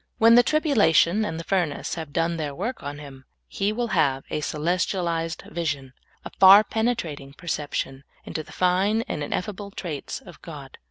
When the tribulation and the furnace have done their work on him, he will have a celestialized vision, a far penetrating perception, into the fine and ineffable traits of God.